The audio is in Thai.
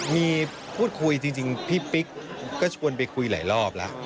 มีพูดคุยจริงพี่ปิ๊กก็ชวนไปคุยหลายรอบแล้ว